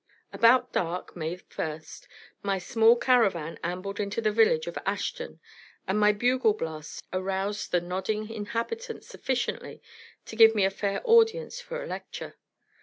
About dark, May first, my small caravan ambled into the village of Ashton, and my bugle blasts aroused the nodding inhabitants sufficiently to give me a fair audience for a lecture.